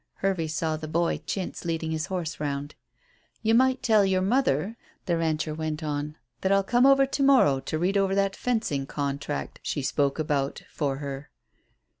Hervey saw the "boy" Chintz leading his horse round. "You might tell your mother," the rancher went on, "that I'll come to morrow to read over that fencing contract she spoke about for her."